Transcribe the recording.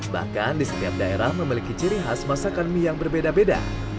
bahkan di setiap daerah memiliki ciri khas masakan mie yang berbeda beda